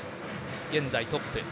現在トップ。